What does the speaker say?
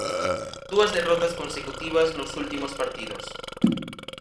Dúas derrotas consecutivas nos últimos partidos.